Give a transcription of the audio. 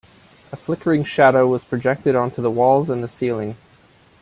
A flickering shadow was projected onto the walls and the ceiling.